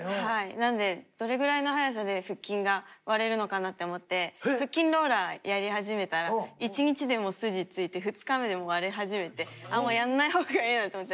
なのでどれぐらいの早さで腹筋が割れるのかなって思って腹筋ローラーやり始めたら１日でもう筋ついて２日目でもう割れ始めてもうやんないほうがいいなと思って。